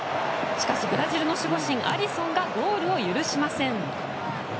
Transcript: しかし、ブラジルの守護神アリソンがゴールを許しません。